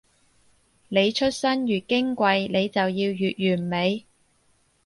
你出身越矜貴，你就要越完美